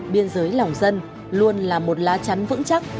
biên giới lòng dân luôn là một lá chắn vững chắc